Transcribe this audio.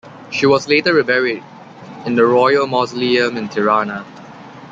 She was later reburied in the Royal Mausoleum in Tirana.